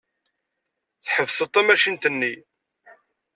Tḥebseḍ tamacint-nni.